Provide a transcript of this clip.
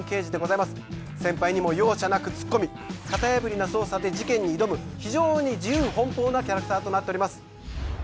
先輩にも容赦なくツッコみ型破りな捜査で事件に挑む非常に自由奔放なキャラクターとなっております。